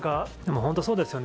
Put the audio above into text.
本当そうですよね。